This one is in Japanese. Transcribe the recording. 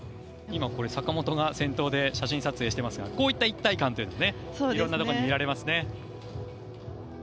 今これ、坂本が先頭で写真撮影していますが、こういった一体感というのがね、いろんなところに見られますね。